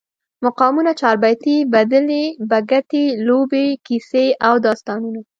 مقامونه، چاربیتې، بدلې، بګتی، لوبې، کیسې او داستانونه